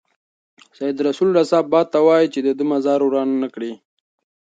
سید رسول رسا باد ته وايي چې د ده مزار وران نه کړي.